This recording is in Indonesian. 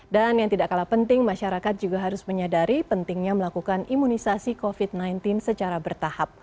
dan yang tidak kalah penting masyarakat juga harus menyadari pentingnya melakukan imunisasi covid sembilan belas secara bertahap